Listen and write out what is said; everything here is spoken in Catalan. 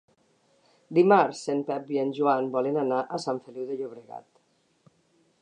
Dimarts en Pep i en Joan volen anar a Sant Feliu de Llobregat.